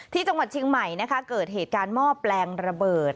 ที่จังหวัดเชียงใหม่นะคะเกิดเหตุการณ์หม้อแปลงระเบิด